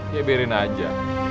ya biarin aja